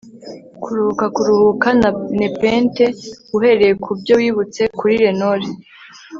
kuruhuka - kuruhuka na nepenthe, uhereye kubyo wibutse kuri lenore